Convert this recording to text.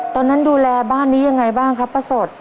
ตอนนั้นดูแลบ้านนี้ยังไงบ้างครับป้าสด